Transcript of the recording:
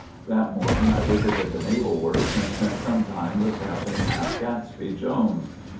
That morning I visited the Naval Works, and spent some time with Captain Ap Catesby Jones.